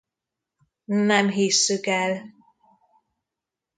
Nem hisszük el!